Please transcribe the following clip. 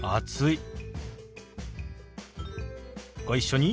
ご一緒に。